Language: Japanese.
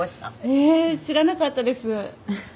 ええ知らなかったです。